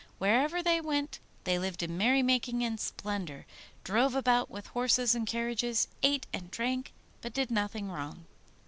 Wherever they went they lived in merrymaking and splendour, drove about with horses and carriages, ate and drank, but did nothing wrong.